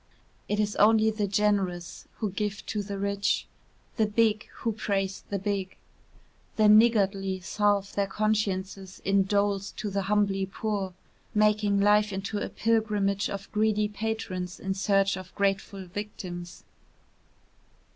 It is only the generous who give to the rich, the big who praise the big; the niggardly salve their consciences in doles to the humbly poor, making life into a pilgrimage of greedy patrons in search of grateful victims.